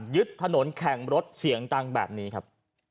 ยึดถนนแข่งรถเสียงดังแบบนี้ครับ